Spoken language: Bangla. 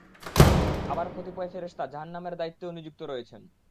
আবার কতিপয় ফেরেশতা জাহান্নামের দায়িত্বেও নিযুক্ত রয়েছেন।